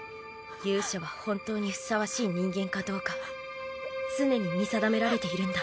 勇者は本当にふさわしい人間かどうか常に見定められているんだ。